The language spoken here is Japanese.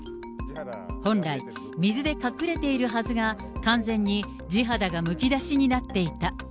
本来、水で隠れているはずが、完全に地肌がむき出しになっていた。